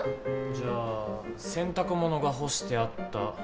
じゃあ「洗濯物が干してあった」ならどう？